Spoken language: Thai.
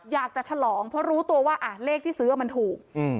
อยากจะฉลองเพราะรู้ตัวว่าอ่ะเลขที่ซื้อมันถูกอืม